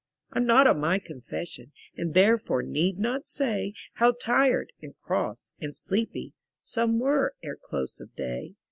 Fm not on my confession, And therefore need not say How tired, and cross, and sleepy. Some were ere close of day.